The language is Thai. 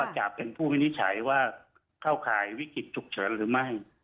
จะเป็นผู้วินิจฉัยว่าเข้าข่ายวิกฤตฉุกเฉินหรือไม่